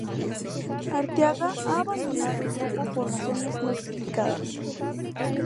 Arteaga ha abandonado el grupo por razones no explicadas.